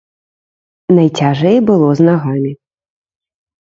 Найцяжэй было з нагамі.